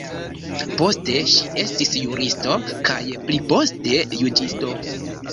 Poste ŝi estis juristo kaj pliposte juĝisto.